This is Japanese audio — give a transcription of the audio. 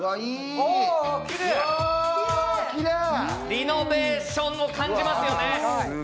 リノベーションを感じますよね。